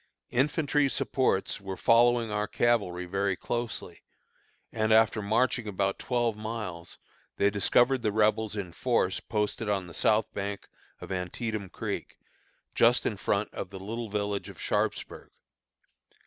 Infantry supports were following our cavalry very closely, and, after marching about twelve miles, they discovered the Rebels in force posted on the south bank of Antietam Creek, just in front of the little village of Sharpsburg.